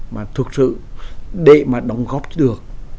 mà thực sự để mà đóng góp được